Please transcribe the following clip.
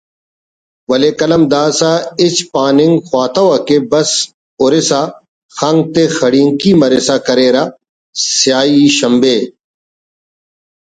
ولے قلم داسہ ہچ پاننگ خواتوکہ بس ہرسا خنک تے خڑینکی مرسا کریرہ سپاہی شمبے